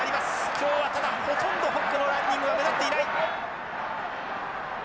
今日はただほとんどホッグのランニングは目立っていない。